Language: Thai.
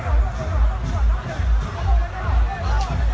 สวัสดีครับ